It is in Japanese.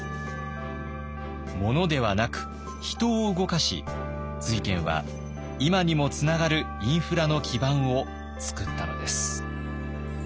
物ではなく人を動かし瑞賢は今にもつながるインフラの基盤を作ったのです。